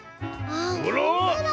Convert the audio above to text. あほんとだ。